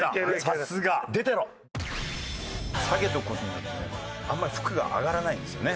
さすが！下げとく事によってねあんまり服が上がらないんですよね。